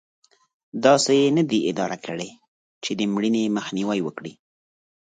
داسې یې نه دي اداره کړې چې د مړینې مخنیوی وکړي.